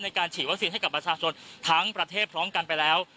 ในการฉีดวัคซีนให้กับประชาชนทั้งประเทศพร้อมกันไปแล้ว